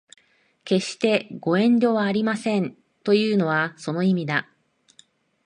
決してご遠慮はありませんというのはその意味だ